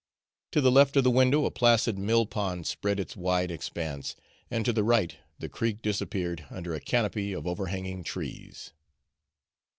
To the left of the window a placid mill pond spread its wide expanse, and to the right the creek disappeared under a canopy of overhanging trees.